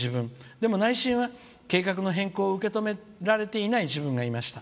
でも内心は、計画の変更を受け止められていない自分がいました。